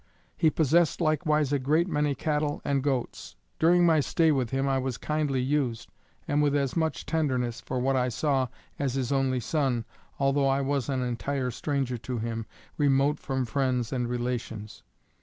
He possessed likewise a great many cattle and goats. During my stay with him I was kindly used, and with as much tenderness, for what I saw, as his only son, although I was an entire stranger to him, remote from friends and relations.